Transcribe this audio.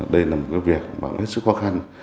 đây là một việc rất khó khăn